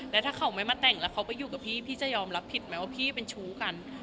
แล้วถ้าเขาไม่มาแต่งแล้วเขาไปอยู่กับพี่พี่จะยอมรับผิดไหมว่าพี่เป็นชู้กัน